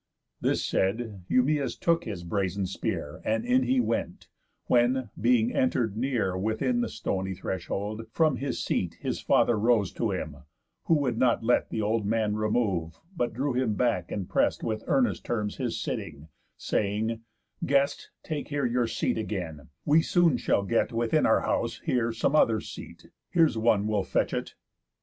This said, Eumæus took his brazen spear, And in he went; when, being enter'd near Within the stony threshold; from his seat His father rose to him, who would not let Th' old man remove, but drew him back and prest With earnest terms his sitting, saying: "Guest, Take here your seat again, we soon shall get Within our own house here some other seat. Here's one will fetch it."